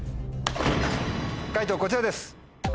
解答こちらです。